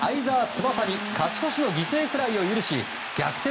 翼に勝ち越しの犠牲フライを許し逆転